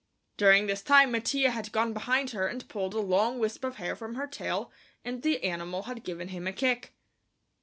During this time Mattia had gone behind her and pulled a long wisp of hair from her tail and the animal had given him a kick.